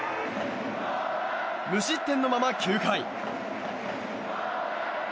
無失点のまま９回。